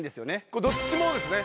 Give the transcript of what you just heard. これどっちもですね。